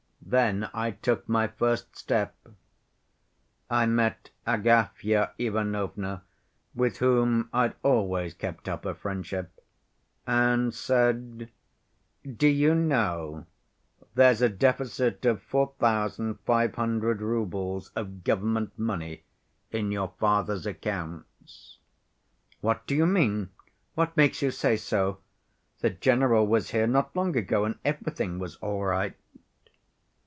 Then I took my first step. I met Agafya Ivanovna, with whom I'd always kept up a friendship, and said, 'Do you know there's a deficit of 4,500 roubles of government money in your father's accounts?' " 'What do you mean? What makes you say so? The general was here not long ago, and everything was all right.